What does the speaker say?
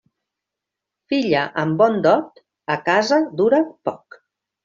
Filla amb bon dot, a casa dura poc.